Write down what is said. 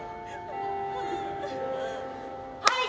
はい！